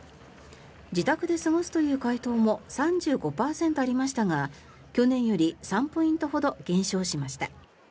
自宅で過ごすという回答も３５％ありましたが去年より３ポイントほど減少しました。